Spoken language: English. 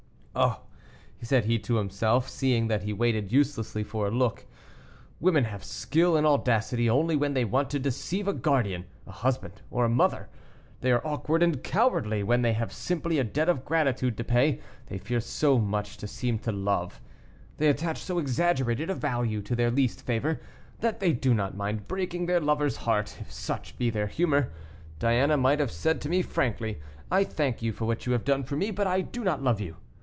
"Oh," said he to himself, seeing that he waited uselessly for a look, "women have skill and audacity only when they want to deceive a guardian, a husband, or a mother; they are awkward and cowardly when they have simply a debt of gratitude to pay, they fear so much to seem to love they attach so exaggerated a value to their least favor, that they do not mind breaking their lover's heart, if such be their humor. Diana might have said to me frankly, 'I thank you for what you have done for me, but I do not love you.